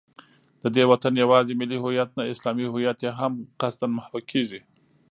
د دې وطن یوازې ملي هویت نه، اسلامي هویت یې هم قصدا محوه کېږي